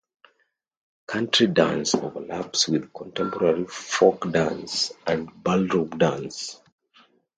Country dance overlaps with contemporary folk dance and ballroom dance.